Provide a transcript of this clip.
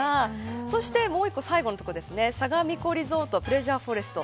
そして最後の所ですがさがみ湖リゾートプレジャーフォレスト。